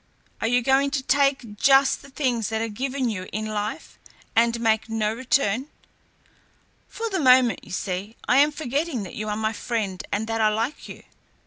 Are you going to take just the things that are given you in life, and make no return? For the moment, you see, I am forgetting that you are my friend and that I like you.